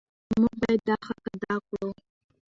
موږ باید دا حق ادا کړو.